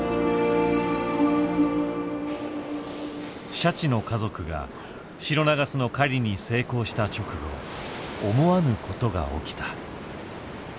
シャチの家族がシロナガスの狩りに成功した直後思わぬことが起きた。